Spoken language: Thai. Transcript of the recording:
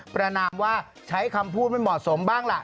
ประนามว่าใช้คำพูดไม่เหมาะสมบ้างล่ะ